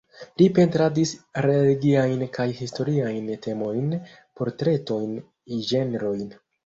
Li pentradis religiajn kaj historiajn temojn, portretojn, ĝenrojn.